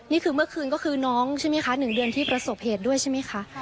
นี่คือเมื่อคืนก็คือน้องใช่ไหมคะ๑เดือนที่ประสบเหตุด้วยใช่ไหมคะ